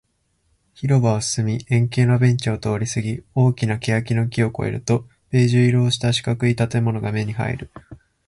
広場を進み、円形のベンチを通りすぎ、大きな欅の木を越えると、ベージュ色をした四角い建物が目に入る